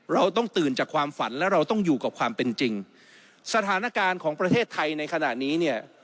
เราต้องตื่นจากความฝันและเราต้องอยู่กับความเป็นจริงสถานการณ์ของประเทศไทยในขณะนี้เนี่ย